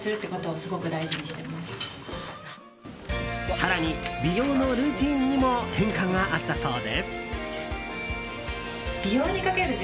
更に、美容のルーティンにも変化があったそうで。